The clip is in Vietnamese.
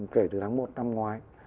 kể từ tháng một năm ngoái